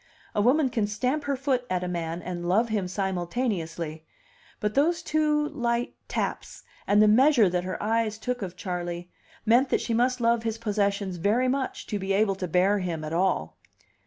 A woman can stamp her foot at a man and love him simultaneously; but those two light taps, and the measure that her eyes took of Charley, meant that she must love his possessions very much to be able to bear him at all.